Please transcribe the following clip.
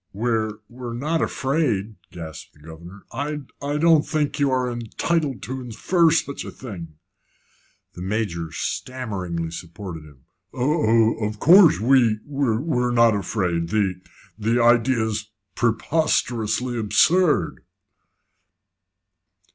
"We're we're not afraid," gasped the governor. "I I don't think you are entitled to infer such a thing." The Major stammeringly supported him. "Of of course we we're not afraid. The the idea is preposterously absurd."